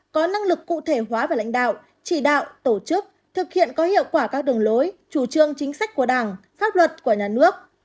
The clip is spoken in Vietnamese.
có năng lực cụ thể hóa về lãnh đạo chỉ đạo tổ chức thực hiện có hiệu quả các đường lối chủ trương chính sách của đảng pháp luật của nhà nước